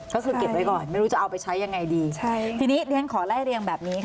ก็คือเก็บไว้ก่อนไม่รู้จะเอาไปใช้ยังไงดีใช่ทีนี้เรียนขอไล่เรียงแบบนี้ค่ะ